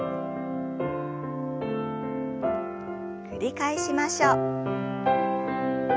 繰り返しましょう。